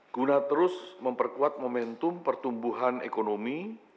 guna terus memperkuat momentum pertumbuhan ekonomi